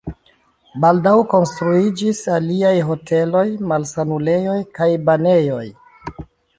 Baldaŭ konstruiĝis aliaj hoteloj, malsanulejoj kaj banejoj.